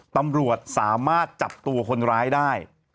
ตำรวจสามารถจับตัวคนร้ายได้